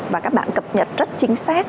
và các bạn cập nhật rất chính xác